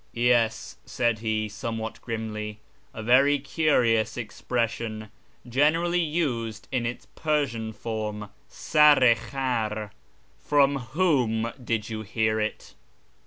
" Yes," said he, somewhat grimly, " a very curious expression ; generally used in its Persian form, \sar i khcir.' From whom did you hear it